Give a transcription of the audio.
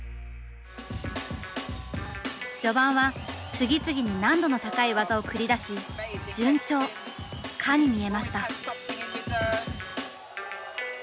序盤は次々に難度の高い技を繰り出し順調かに見えました。